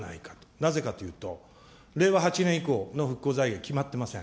なぜかというと、令和８年以降の復興財源決まってません。